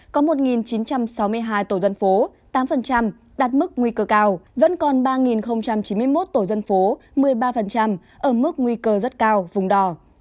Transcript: có một chín trăm sáu mươi hai tổ dân phố tám đạt mức nguy cơ cao vẫn còn ba chín mươi một tổ dân phố một mươi ba ở mức nguy cơ rất cao vùng đỏ